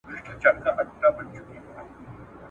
ډنبار ډېر نېستمن وو ..